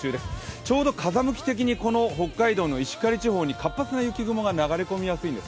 ちょうど風向き的に北海道の石狩地方に活発な雪雲が流れ込みやすいんです。